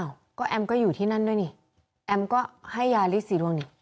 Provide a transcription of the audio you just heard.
ก็แอมก็อยู่ที่นั่นด้วยนี่แอมก็ให้ยาลิสสีรวงนี่